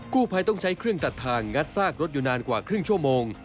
กู้ภัยต้องใช้เครื่องตัดทางงัดซากรถอยู่นานกว่าครึ่งชั่วโมง